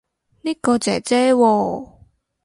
呢個姐姐喎